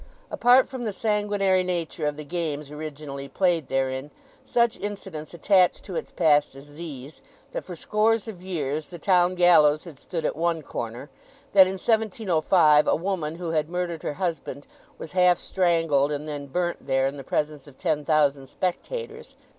Apart from the sanguinary nature of the games originally played therein, such incidents attached to its past as these: that for scores of years the town gallows had stood at one corner; that in 1705 a woman who had murdered her husband was half strangled and then burnt there in the presence of ten thousand spectators.